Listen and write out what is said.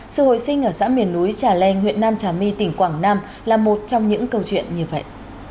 sự hồi sinh ở xã miền núi trà leng huyện nam trà my tỉnh quảng nam là một trong những câu chuyện như vậy